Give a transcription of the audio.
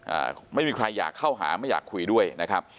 อ่าไม่มีใครอยากเข้าหาไม่อยากคุยด้วยนะครับ